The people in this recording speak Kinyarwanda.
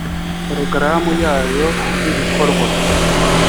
porogaramu yayo y’ibikorwa